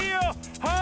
はい！